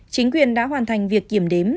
chính quyền đã hoàn thành việc kiểm đếm